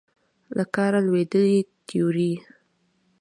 له کاره لوېدلې تیورۍ